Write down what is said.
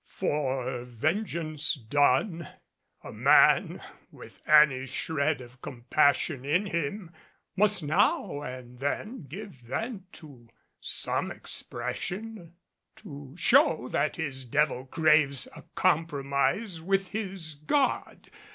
For, vengeance done, a man with any shred of compassion in him must now and then give vent to some expression to show that his devil craves a compromise with his God.